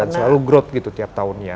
selalu growth gitu tiap tahunnya